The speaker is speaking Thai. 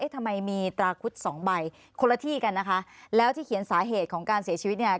ทำไมมีตราคุดสองใบคนละที่กันนะคะแล้วที่เขียนสาเหตุของการเสียชีวิตเนี่ย